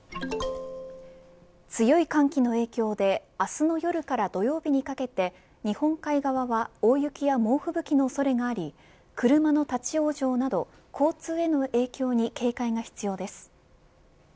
強い寒気の影響で明日の夜から土曜日にかけて日本海側は大雪や猛吹雪の恐れがあり車の立ち往生など交通への影響に警戒が必要です。